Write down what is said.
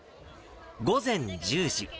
午前１０時。